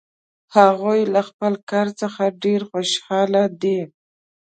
هغوی له خپل کار څخه ډېر خوشحال دي